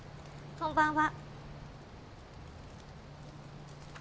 こんばんは。